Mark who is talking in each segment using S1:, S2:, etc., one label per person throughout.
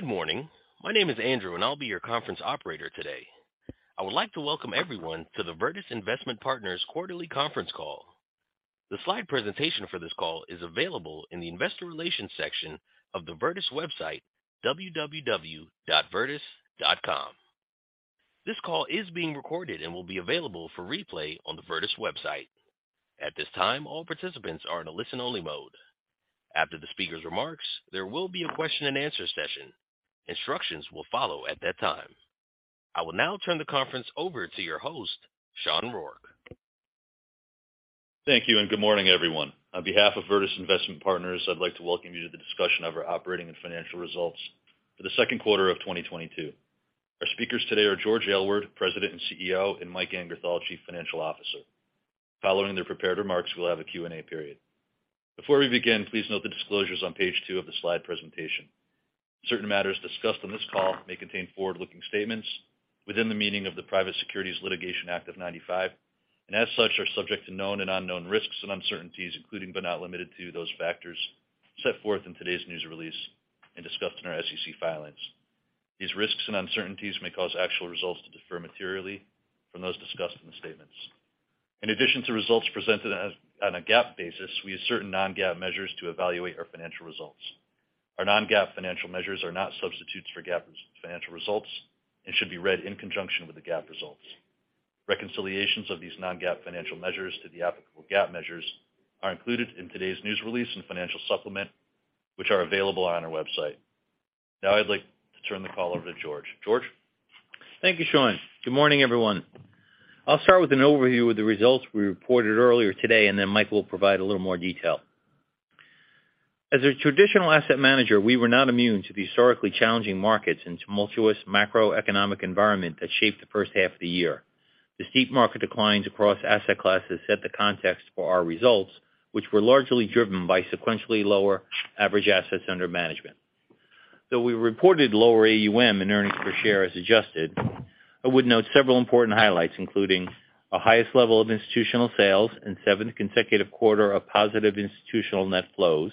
S1: Good morning. My name is Andrew, and I'll be your conference operator today. I would like to welcome everyone to the Virtus Investment Partners quarterly conference call. The slide presentation for this call is available in the investor relations section of the Virtus website, www.virtus.com. This call is being recorded and will be available for replay on the Virtus website. At this time, all participants are in a listen-only mode. After the speaker's remarks, there will be a question-and-answer session. Instructions will follow at that time. I will now turn the conference over to your host, Sean Rourke.
S2: Thank you, and good morning, everyone. On behalf of Virtus Investment Partners, I'd like to welcome you to the discussion of our operating and financial results for the second quarter of 2022. Our speakers today are George Aylward, President and CEO, and Mike Angerthal, Chief Financial Officer. Following their prepared remarks, we'll have a Q&A period. Before we begin, please note the disclosures on page 2 of the slide presentation. Certain matters discussed on this call may contain forward-looking statements within the meaning of the Private Securities Litigation Reform Act of 1995, and as such, are subject to known and unknown risks and uncertainties, including, but not limited to, those factors set forth in today's news release and discussed in our SEC filings. These risks and uncertainties may cause actual results to differ materially from those discussed in the statements. In addition to results presented on a GAAP basis, we use certain non-GAAP measures to evaluate our financial results. Our non-GAAP financial measures are not substitutes for GAAP financial results and should be read in conjunction with the GAAP results. Reconciliations of these non-GAAP financial measures to the applicable GAAP measures are included in today's news release and financial supplement, which are available on our website. Now I'd like to turn the call over to George. George?
S3: Thank you, Sean. Good morning, everyone. I'll start with an overview of the results we reported earlier today, and then Mike will provide a little more detail. As a traditional asset manager, we were not immune to the historically challenging markets and tumultuous macroeconomic environment that shaped the first half of the year. The steep market declines across asset classes set the context for our results, which were largely driven by sequentially lower average assets under management. Though we reported lower AUM and earnings per share as adjusted, I would note several important highlights, including our highest level of institutional sales and seventh consecutive quarter of positive institutional net flows,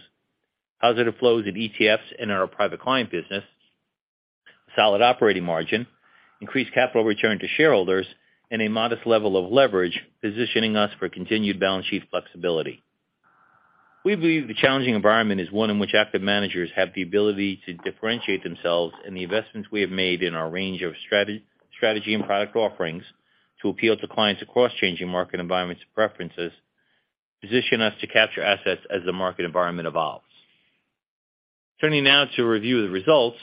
S3: positive flows in ETFs and our private client business, solid operating margin, increased capital return to shareholders, and a modest level of leverage positioning us for continued balance sheet flexibility. We believe the challenging environment is one in which active managers have the ability to differentiate themselves, and the investments we have made in our range of strategy and product offerings to appeal to clients across changing market environments and preferences position us to capture assets as the market environment evolves. Turning now to review the results.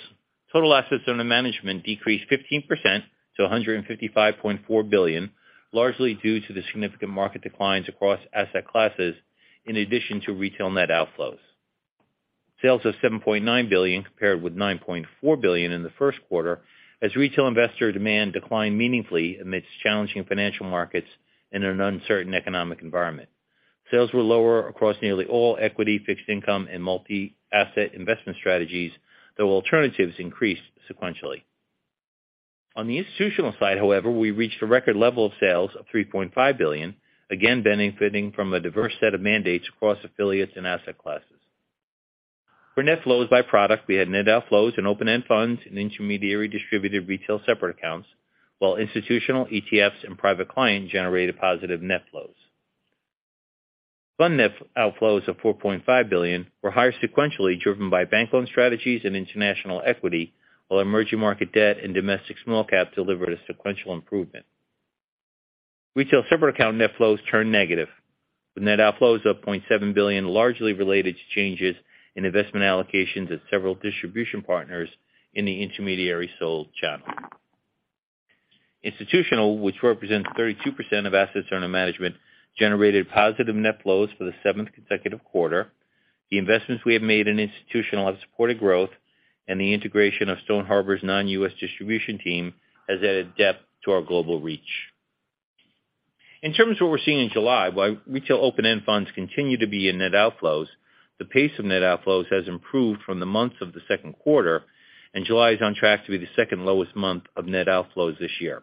S3: Total assets under management decreased 15% to $155.4 billion, largely due to the significant market declines across asset classes in addition to retail net outflows. Sales of $7.9 billion compared with $9.4 billion in the first quarter as retail investor demand declined meaningfully amidst challenging financial markets in an uncertain economic environment. Sales were lower across nearly all equity, fixed income, and multi-asset investment strategies, though alternatives increased sequentially. On the institutional side, however, we reached a record level of sales of $3.5 billion, again benefiting from a diverse set of mandates across affiliates and asset classes. For net flows by product, we had net outflows in open-end funds and intermediary distributed retail separate accounts, while institutional ETFs and private client generated positive net flows. Fund net outflows of $4.5 billion were higher sequentially, driven by bank loan strategies and international equity, while emerging market debt and domestic small cap delivered a sequential improvement. Retail separate account net flows turned negative, with net outflows of $0.7 billion, largely related to changes in investment allocations at several distribution partners in the intermediary sold channel. Institutional, which represents 32% of assets under management, generated positive net flows for the seventh consecutive quarter. The investments we have made in institutional have supported growth, and the integration of Stone Harbor's non-US distribution team has added depth to our global reach. In terms of what we're seeing in July, while retail open-end funds continue to be in net outflows, the pace of net outflows has improved from the months of the second quarter, and July is on track to be the second lowest month of net outflows this year.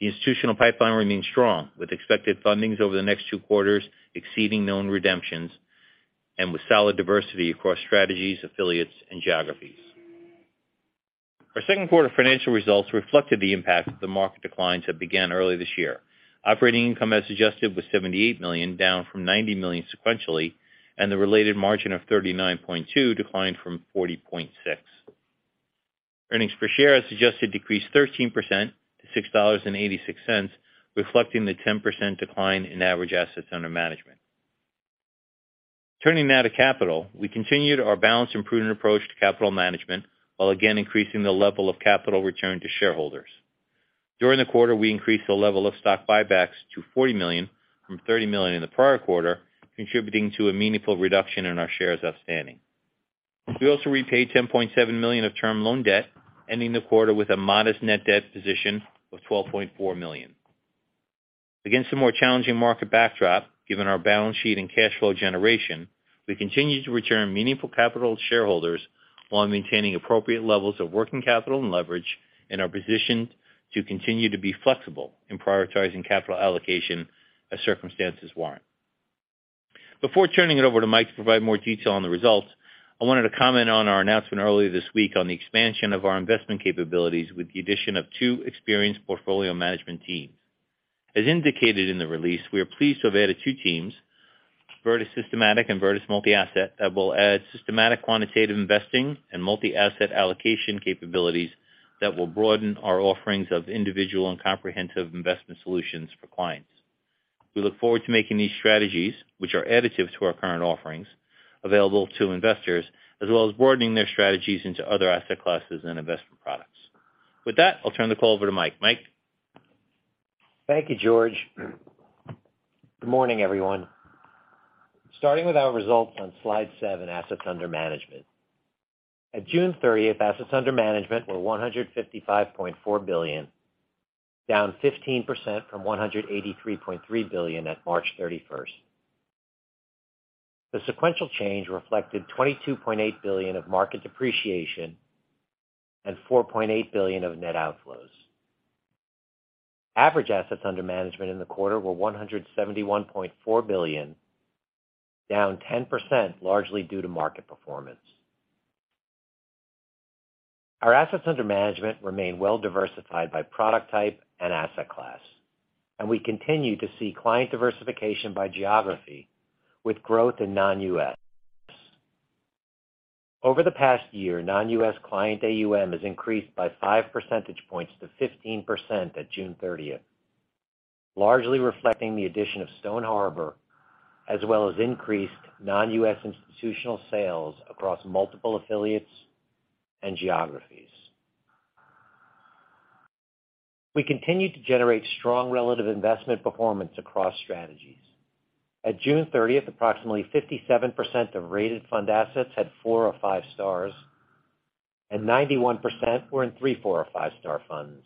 S3: The institutional pipeline remains strong, with expected fundings over the next two quarters exceeding known redemptions and with solid diversity across strategies, affiliates, and geographies. Our second quarter financial results reflected the impact that the market declines have begun early this year. Operating income as adjusted was $78 million, down from $90 million sequentially, and the related margin of 39.2% declined from 40.6%. Earnings per share as adjusted decreased 13% to $6.86, reflecting the 10% decline in average assets under management. Turning now to capital. We continued our balanced and prudent approach to capital management while again increasing the level of capital return to shareholders. During the quarter, we increased the level of stock buybacks to $40 million from $30 million in the prior quarter, contributing to a meaningful reduction in our shares outstanding. We also repaid $10.7 million of term loan debt, ending the quarter with a modest net debt position of $12.4 million. Against a more challenging market backdrop, given our balance sheet and cash flow generation, we continue to return meaningful capital to shareholders while maintaining appropriate levels of working capital and leverage and are positioned to continue to be flexible in prioritizing capital allocation as circumstances warrant. Before turning it over to Mike to provide more detail on the results, I wanted to comment on our announcement earlier this week on the expansion of our investment capabilities with the addition of two experienced portfolio management teams. As indicated in the release, we are pleased to have added two teams, Virtus Systematic and Virtus Multi-Asset, that will add systematic quantitative investing and multi-asset allocation capabilities that will broaden our offerings of individual and comprehensive investment solutions for clients. We look forward to making these strategies, which are additive to our current offerings, available to investors, as well as broadening their strategies into other asset classes and investment products. With that, I'll turn the call over to Mike. Mike?
S4: Thank you, George. Good morning, everyone. Starting with our results on slide 7, assets under management. At June thirtieth, assets under management were $155.4 billion, down 15% from $183.3 billion at March thirty-first. The sequential change reflected $22.8 billion of market depreciation and $4.8 billion of net outflows. Average assets under management in the quarter were $171.4 billion, down 10%, largely due to market performance. Our assets under management remain well-diversified by product type and asset class, and we continue to see client diversification by geography with growth in non-US. Over the past year, non-US client AUM has increased by five percentage points to 15% at June thirtieth, largely reflecting the addition of Stone Harbor, as well as increased non-US institutional sales across multiple affiliates and geographies. We continued to generate strong relative investment performance across strategies. At June thirtieth, approximately 57% of rated fund assets had four or five stars, and 91% were in three, four, or five-star funds.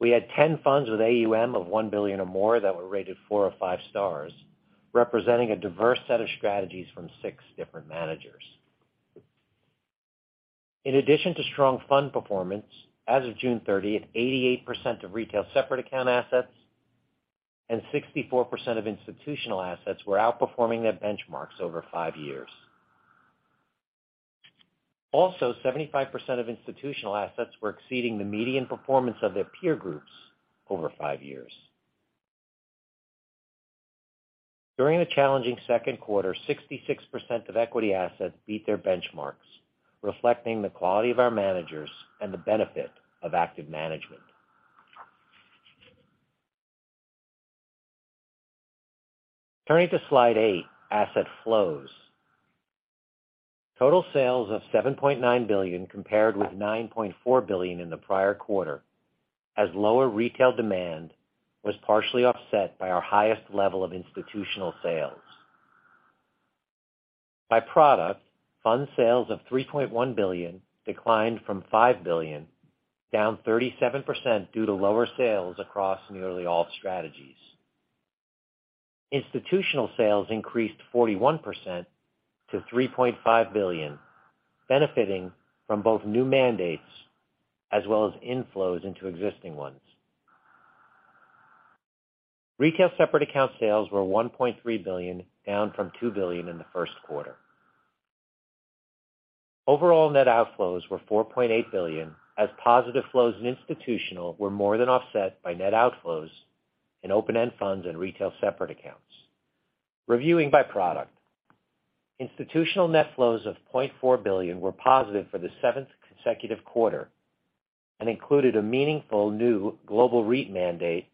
S4: We had 10 funds with AUM of $1 billion or more that were rated four or five stars, representing a diverse set of strategies from six different managers. In addition to strong fund performance, as of June thirtieth, 88% of retail separate account assets and 64% of institutional assets were outperforming their benchmarks over five years. Also, 75% of institutional assets were exceeding the median performance of their peer groups over five years. During the challenging second quarter, 66% of equity assets beat their benchmarks, reflecting the quality of our managers and the benefit of active management. Turning to slide 8, asset flows. Total sales of $7.9 billion compared with $9.4 billion in the prior quarter, as lower retail demand was partially offset by our highest level of institutional sales. By product, fund sales of $3.1 billion declined from $5 billion, down 37% due to lower sales across nearly all strategies. Institutional sales increased 41% to $3.5 billion, benefiting from both new mandates as well as inflows into existing ones. Retail separate account sales were $1.3 billion, down from $2 billion in the first quarter. Overall net outflows were $4.8 billion, as positive flows in institutional were more than offset by net outflows in open-end funds and retail separate accounts. Reviewing by product, institutional net flows of $0.4 billion were positive for the seventh consecutive quarter and included a meaningful new global REIT mandate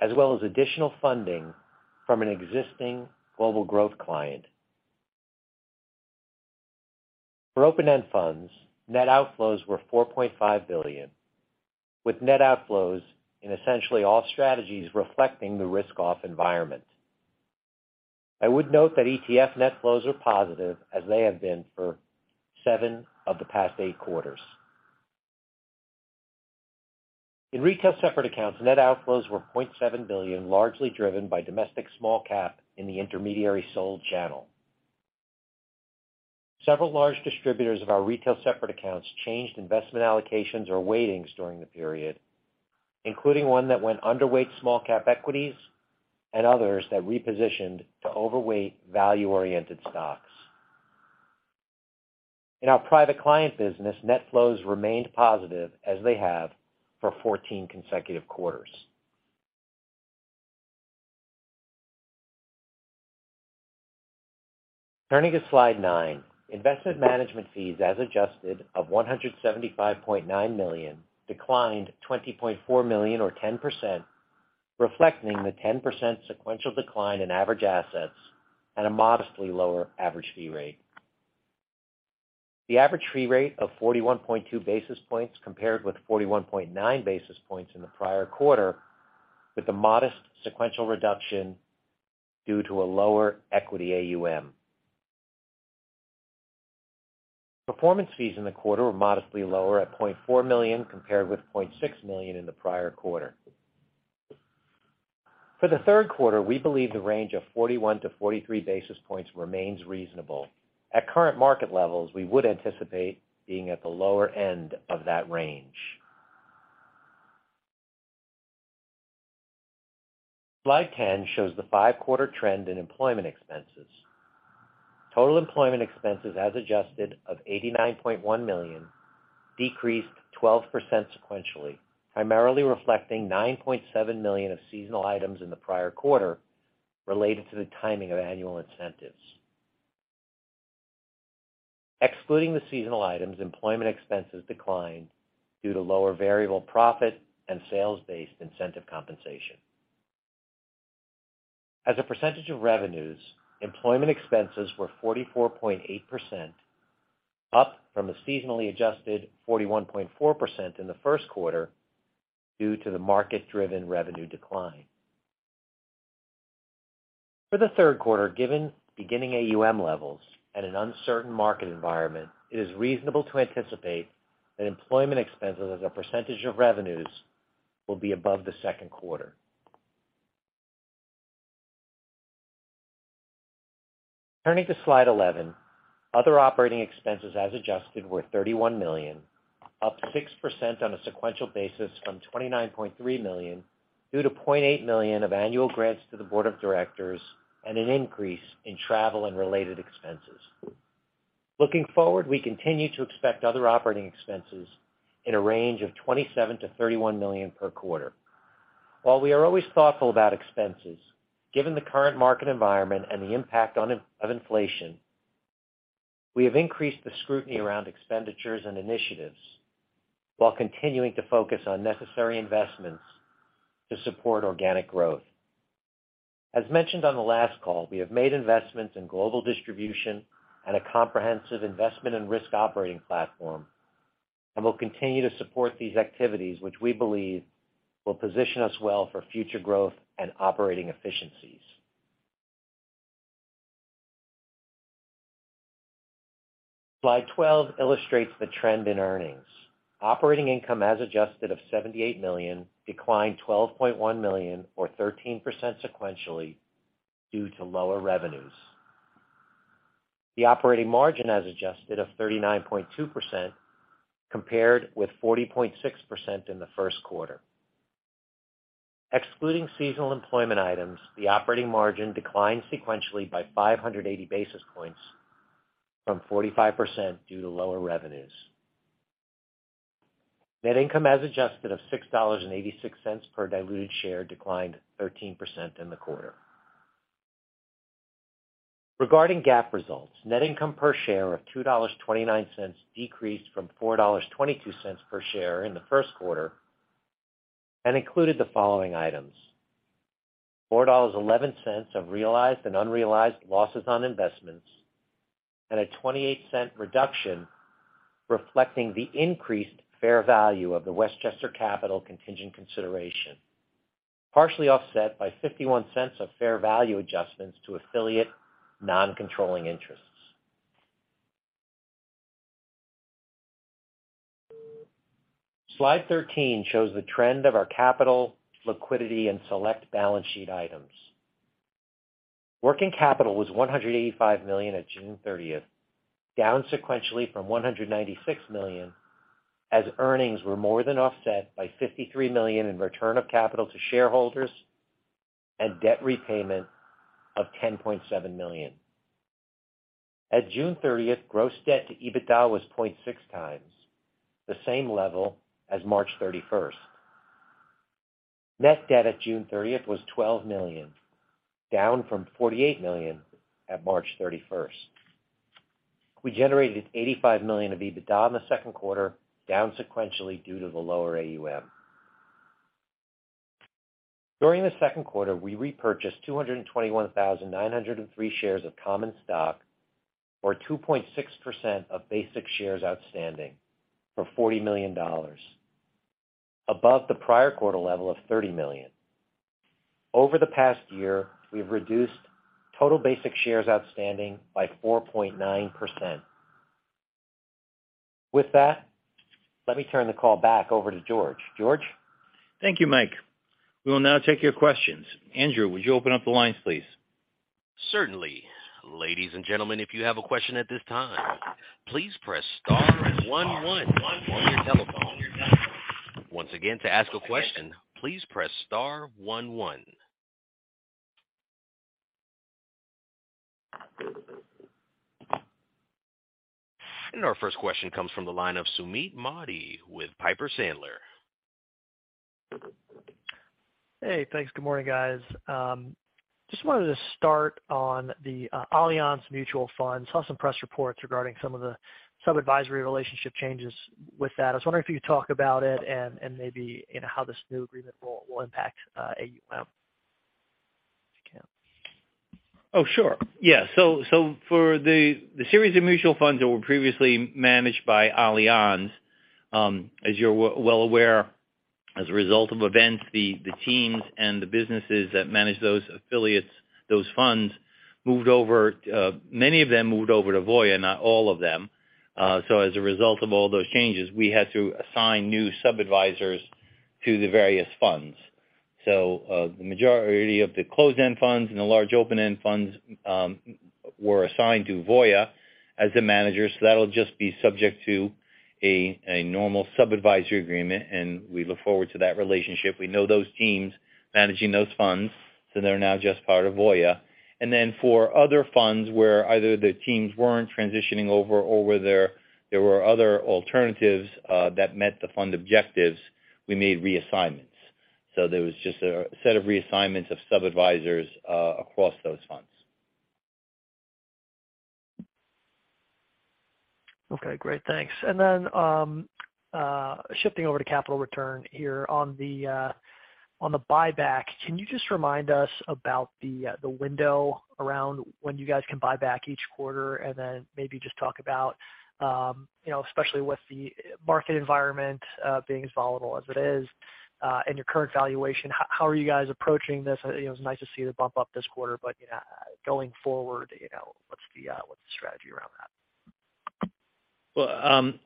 S4: as well as additional funding from an existing global growth client. For open-end funds, net outflows were $4.5 billion, with net outflows in essentially all strategies reflecting the risk-off environment. I would note that ETF net flows are positive, as they have been for seven of the past eight quarters. In retail separate accounts, net outflows were $0.7 billion, largely driven by domestic small cap in the intermediary sold channel. Several large distributors of our retail separate accounts changed investment allocations or weightings during the period, including one that went underweight small cap equities and others that repositioned to overweight value-oriented stocks. In our private client business, net flows remained positive, as they have for fourteen consecutive quarters. Turning to slide nine, investment management fees as adjusted of $175.9 million declined $20.4 million or 10%, reflecting the 10% sequential decline in average assets at a modestly lower average fee rate. The average fee rate of 41.2 basis points compared with 41.9 basis points in the prior quarter, with a modest sequential reduction due to a lower equity AUM. Performance fees in the quarter were modestly lower at $0.4 million compared with $0.6 million in the prior quarter. For the third quarter, we believe the range of 41-43 basis points remains reasonable. At current market levels, we would anticipate being at the lower end of that range. Slide ten shows the 5-quarter trend in employment expenses. Total employment expenses as adjusted of $89.1 million decreased 12% sequentially, primarily reflecting $9.7 million of seasonal items in the prior quarter related to the timing of annual incentives. Excluding the seasonal items, employment expenses declined due to lower variable profit and sales-based incentive compensation. As a percentage of revenues, employment expenses were 44.8%, up from a seasonally adjusted 41.4% in the first quarter due to the market-driven revenue decline. For the third quarter, given beginning AUM levels at an uncertain market environment, it is reasonable to anticipate that employment expenses as a percentage of revenues will be above the second quarter. Turning to slide 11, other operating expenses as adjusted were $31 million, up 6% on a sequential basis from $29.3 million due to $0.8 million of annual grants to the board of directors and an increase in travel and related expenses. Looking forward, we continue to expect other operating expenses in a range of $27 million-$31 million per quarter. While we are always thoughtful about expenses, given the current market environment and the impact of inflation, we have increased the scrutiny around expenditures and initiatives while continuing to focus on necessary investments to support organic growth. As mentioned on the last call, we have made investments in global distribution and a comprehensive investment and risk operating platform, and we'll continue to support these activities which we believe will position us well for future growth and operating efficiencies. Slide 12 illustrates the trend in earnings. Operating income as adjusted of $78 million declined $12.1 million or 13% sequentially due to lower revenues. The operating margin as adjusted of 39.2% compared with 40.6% in the first quarter. Excluding seasonal employment items, the operating margin declined sequentially by 580 basis points from 45% due to lower revenues. Net income as adjusted of $6.86 per diluted share declined 13% in the quarter. Regarding GAAP results, net income per share of $2.29 decreased from $4.22 per share in the first quarter and included the following items, $4.11 of realized and unrealized losses on investments, and a $0.28 reduction reflecting the increased fair value of the Westchester Capital contingent consideration, partially offset by $0.51 of fair value adjustments to affiliate non-controlling interests. Slide 13 shows the trend of our capital, liquidity, and select balance sheet items. Working capital was $185 million at June thirtieth, down sequentially from $196 million as earnings were more than offset by $53 million in return of capital to shareholders and debt repayment of $10.7 million. At June thirtieth, gross debt to EBITDA was 0.6x, the same level as March thirty-first. Net debt at June 30th was $12 million, down from $48 million at March 31st. We generated $85 million of EBITDA in the second quarter, down sequentially due to the lower AUM. During the second quarter, we repurchased 221,903 shares of common stock or 2.6% of basic shares outstanding for $40 million, above the prior quarter level of $30 million. Over the past year, we've reduced total basic shares outstanding by 4.9%. With that, let me turn the call back over to George. George?
S3: Thank you, Mike. We will now take your questions. Andrew, would you open up the lines, please?
S1: Certainly. Ladies and gentlemen, if you have a question at this time, please press star one one on your telephone. Once again, to ask a question, please press star one one. Our first question comes from the line of Sumeet Mody with Piper Sandler.
S5: Hey, thanks. Good morning, guys. Just wanted to start on the Allianz Mutual Funds. Saw some press reports regarding some of the sub-advisory relationship changes with that. I was wondering if you could talk about it and maybe, you know, how this new agreement will impact AUM if you can.
S4: Oh, sure. Yeah. For the series of mutual funds that were previously managed by Allianz, as you're well aware, as a result of events, the teams and the businesses that manage those affiliates, those funds moved over, many of them moved over to Voya, not all of them. As a result of all those changes, we had to assign new sub-advisors to the various funds.
S3: The majority of the closed-end funds and the large open-end funds were assigned to Voya as the manager. That'll just be subject to a normal sub-advisory agreement, and we look forward to that relationship. We know those teams managing those funds, so they're now just part of Voya. For other funds where either the teams weren't transitioning over or where there were other alternatives that met the fund objectives, we made reassignments. There was just a set of reassignments of sub-advisors across those funds.
S5: Okay, great. Thanks. Shifting over to capital return here on the buyback, can you just remind us about the window around when you guys can buy back each quarter? Maybe just talk about, you know, especially with the market environment being as volatile as it is, and your current valuation, how are you guys approaching this? You know, it was nice to see the bump up this quarter, but going forward, you know, what's the strategy around that?
S3: Well,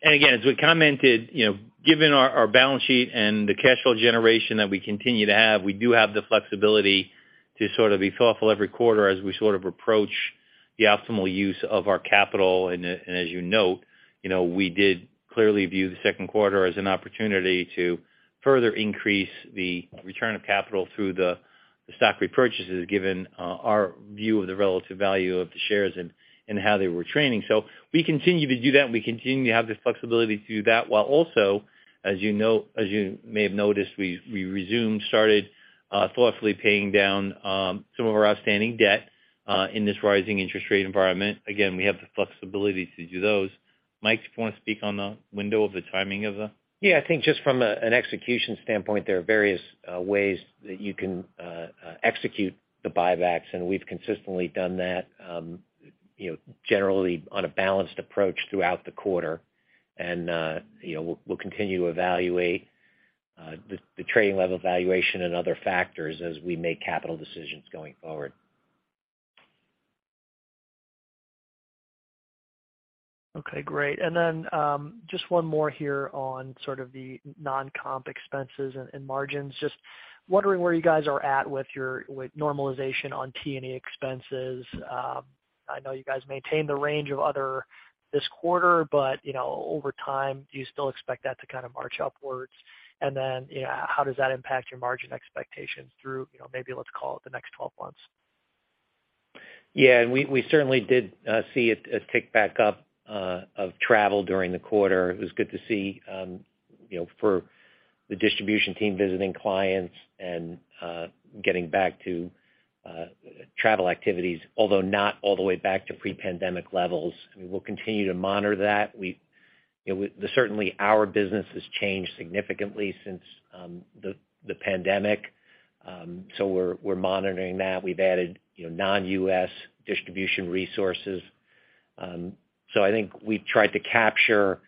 S3: again, as we commented, you know, given our balance sheet and the cash flow generation that we continue to have, we do have the flexibility to sort of be thoughtful every quarter as we sort of approach the optimal use of our capital. As you note, you know, we did clearly view the second quarter as an opportunity to further increase the return of capital through the stock repurchases, given our view of the relative value of the shares and how they were trading. We continue to do that, and we continue to have the flexibility to do that, while also, as you know, as you may have noticed, we started thoughtfully paying down some of our outstanding debt in this rising interest rate environment. Again, we have the flexibility to do those. Mike, do you wanna speak on the window of the timing of the?
S4: Yeah, I think just from an execution standpoint, there are various ways that you can execute the buybacks, and we've consistently done that, you know, generally on a balanced approach throughout the quarter. You know, we'll continue to evaluate the trading level valuation and other factors as we make capital decisions going forward.
S5: Okay, great. Then, just one more here on sort of the non-comp expenses and margins. Just wondering where you guys are at with your normalization on T&E expenses. I know you guys maintained the range of other this quarter, but, you know, over time, do you still expect that to kind of march upwards? Then, you know, how does that impact your margin expectations through, you know, maybe let's call it the next 12 months?
S4: Yeah, we certainly did see it a tick back up of travel during the quarter. It was good to see you know for the distribution team visiting clients and getting back to travel activities, although not all the way back to pre-pandemic levels. We'll continue to monitor that. We you know certainly our business has changed significantly since the pandemic. We're monitoring that. We've added you know non-US distribution resources. I think we've tried to capture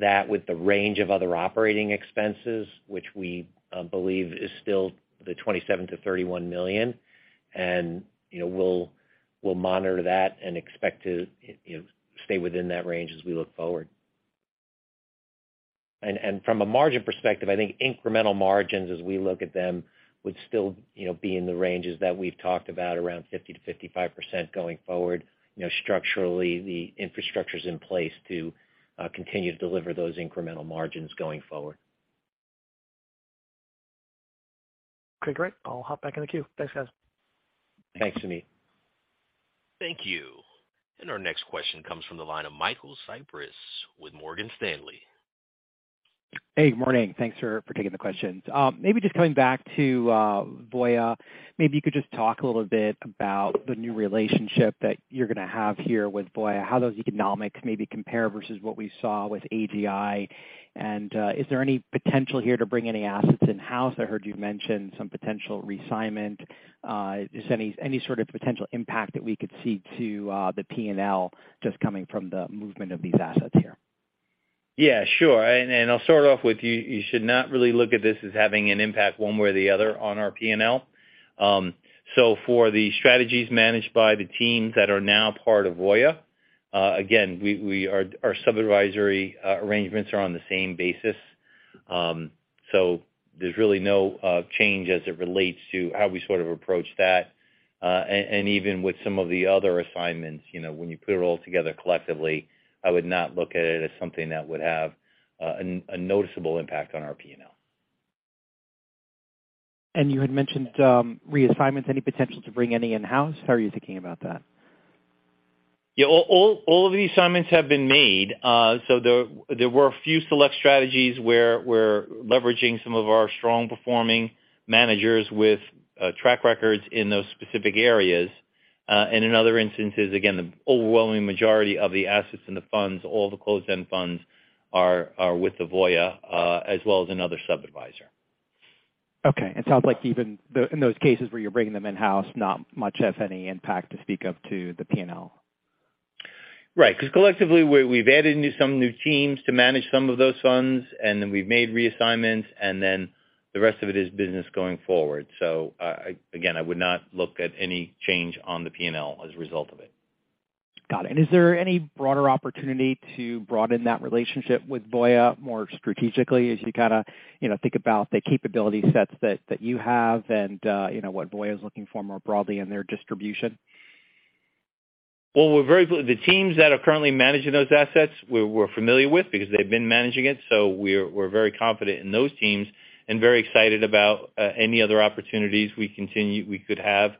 S4: that with the range of other operating expenses, which we believe is still the $27 million-$31 million. You know, we'll monitor that and expect to stay within that range as we look forward. From a margin perspective, I think incremental margins, as we look at them, would still, you know, be in the ranges that we've talked about, around 50%-55% going forward. You know, structurally, the infrastructure's in place to continue to deliver those incremental margins going forward.
S5: Okay, great. I'll hop back in the queue. Thanks, guys.
S4: Thanks, Sumeet Mody.
S1: Thank you. Our next question comes from the line of Michael Cyprys with Morgan Stanley.
S6: Hey, good morning. Thanks for taking the questions. Maybe just coming back to Voya. Maybe you could just talk a little bit about the new relationship that you're gonna have here with Voya, how those economics maybe compare versus what we saw with AGI. Is there any potential here to bring any assets in-house? I heard you mention some potential reassignment. Is any sort of potential impact that we could see to the P&L just coming from the movement of these assets here?
S3: Yeah, sure. I'll start off with you. You should not really look at this as having an impact one way or the other on our P&L. For the strategies managed by the teams that are now part of Voya, again, our sub-advisory arrangements are on the same basis. There's really no change as it relates to how we sort of approach that. Even with some of the other assignments, you know, when you put it all together collectively, I would not look at it as something that would have a noticeable impact on our P&L.
S6: You had mentioned reassignments. Any potential to bring any in-house? How are you thinking about that?
S3: Yeah. All of the assignments have been made. There were a few select strategies where we're leveraging some of our strong performing managers with track records in those specific areas. In other instances, again, the overwhelming majority of the assets in the funds, all the closed-end funds are with the Voya as well as another sub-adviser.
S6: Okay. It sounds like even in those cases where you're bringing them in-house, not much, if any, impact to speak of to the P&L.
S3: Right. 'Cause collectively, we've added some new teams to manage some of those funds, and then we've made reassignments, and then the rest of it is business going forward. Again, I would not look at any change on the P&L as a result of it.
S6: Got it. Is there any broader opportunity to broaden that relationship with Voya more strategically as you kinda, you know, think about the capability sets that you have and, you know, what Voya is looking for more broadly in their distribution?
S3: Well, the teams that are currently managing those assets we're familiar with because they've been managing it, so we're very confident in those teams and very excited about any other opportunities we could have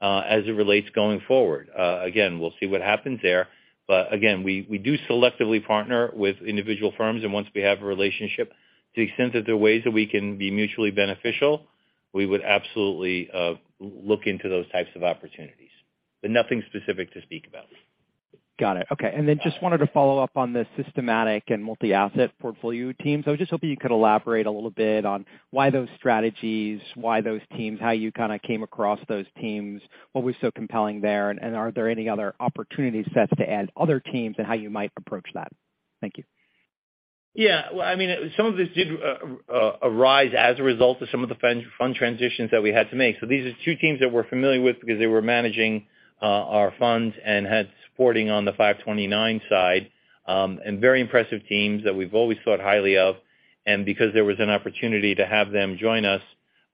S3: as it relates going forward. Again, we'll see what happens there. Again, we do selectively partner with individual firms, and once we have a relationship, to the extent that there are ways that we can be mutually beneficial, we would absolutely look into those types of opportunities. Nothing specific to speak about.
S6: Got it. Okay. Just wanted to follow up on the Systematic and Multi-Asset portfolio teams. I was just hoping you could elaborate a little bit on why those strategies, why those teams, how you kinda came across those teams, what was so compelling there, and are there any other opportunity sets to add other teams and how you might approach that? Thank you.
S3: Yeah. Well, I mean, some of this did arise as a result of some of the fund transitions that we had to make. These are two teams that we're familiar with because they were managing our funds and had support on the 529 side, and very impressive teams that we've always thought highly of. Because there was an opportunity to have them join us,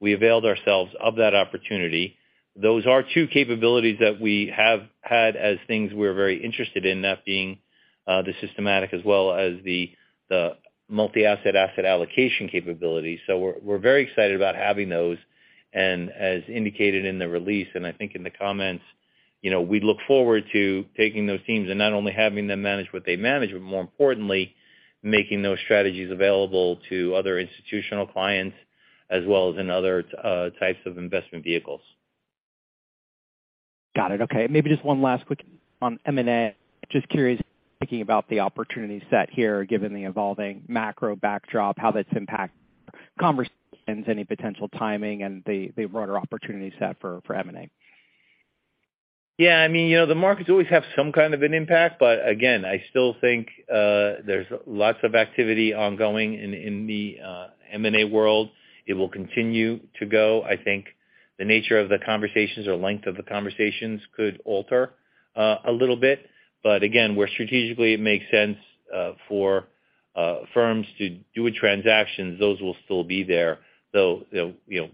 S3: we availed ourselves of that opportunity. Those are two capabilities that we have had as things we're very interested in, that being the systematic as well as the multi-asset allocation capability. We're very excited about having those. As indicated in the release, and I think in the comments, you know, we look forward to taking those teams and not only having them manage what they manage, but more importantly, making those strategies available to other institutional clients as well as in other types of investment vehicles.
S6: Got it. Okay. Maybe just one last quick on M&A. Just curious, thinking about the opportunity set here, given the evolving macro backdrop, how that's impacting conversations, any potential timing, and the broader opportunity set for M&A.
S3: Yeah, I mean, you know, the markets always have some kind of an impact, but again, I still think there's lots of activity ongoing in the M&A world. It will continue to go. I think the nature of the conversations or length of the conversations could alter a little bit. Again, where strategically it makes sense for firms to do a transaction, those will still be there. Though, you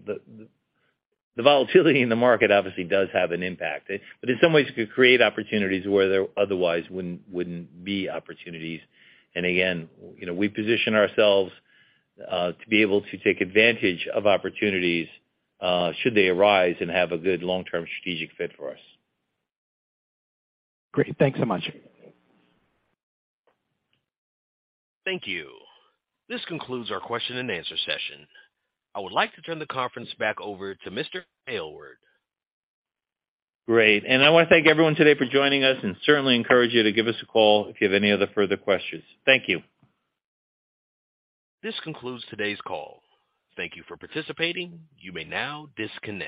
S3: know, the volatility in the market obviously does have an impact. In some ways it could create opportunities where there otherwise wouldn't be opportunities. Again, you know, we position ourselves to be able to take advantage of opportunities should they arise and have a good long-term strategic fit for us.
S6: Great. Thanks so much.
S1: Thank you. This concludes our question and answer session. I would like to turn the conference back over to Mr. Aylward.
S3: Great. I wanna thank everyone today for joining us and certainly encourage you to give us a call if you have any other further questions. Thank you.
S1: This concludes today's call. Thank you for participating. You may now disconnect.